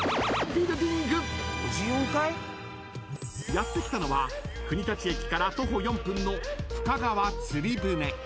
［やって来たのは国立駅から徒歩４分の］